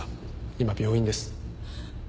今病院です。